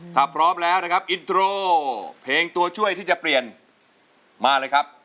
ถ้าพร้อมแล้วนะครับอินโทรเพลงตัวช่วยที่จะเปลี่ยนมาเลยครับ